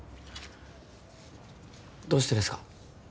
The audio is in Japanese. どうしてですか？